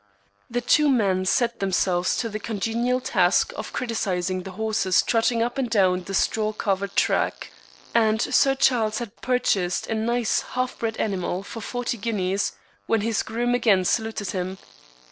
The two men set themselves to the congenial task of criticizing the horses trotting up and down the straw covered track, and Sir Charles had purchased a nice half bred animal for forty guineas when his groom again saluted him.